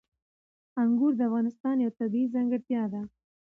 انګور د افغانستان یوه طبیعي ځانګړتیا ده.